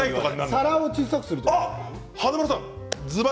皿を小さくするとか？